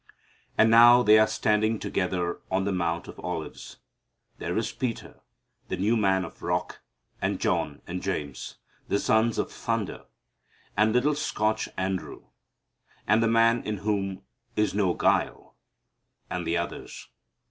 And now they are standing together on the Mount of Olives. There is Peter, the new man of rock, and John and James, the sons of thunder, and little Scotch Andrew, and the man in whom is no guile, and the others.